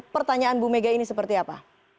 pertanyaan bu mega ini seperti apa